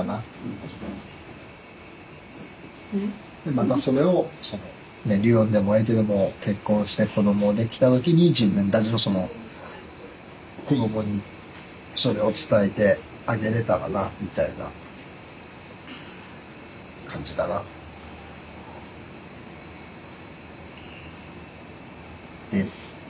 でまたそれをその瑠音でも瑛音でも結婚して子供できた時に自分たちのその子供にそれを伝えてあげれたらなみたいな感じかな。です。